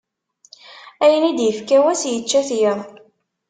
Ayen i d-ifka wass, yečča-t yiḍ.